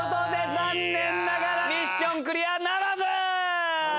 残念ながらミッションクリアならず。